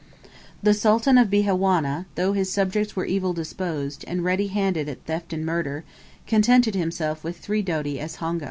The Sultan of Bihawana, though his subjects were evil disposed, and ready handed at theft and murder, contented himself with three doti as honga.